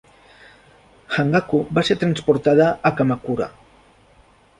Hangaku va ser transportada a Kamakura.